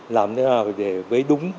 làm thế nào để với đúng